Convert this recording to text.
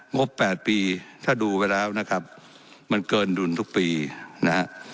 งบแปดปีถ้าดูไปแล้วนะครับมันเกินดุลทุกปีนะฮะ